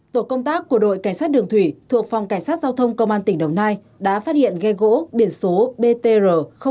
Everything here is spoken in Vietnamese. tổ công tác của đội cảnh sát đường thủy thuộc phòng cảnh sát giao thông công an tỉnh đồng nai đã phát hiện ghe gỗ biển số btr hai trăm tám mươi bảy